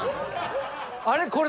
あれ？